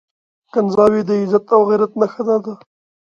کنځاوي د عزت او غيرت نښه نه ده.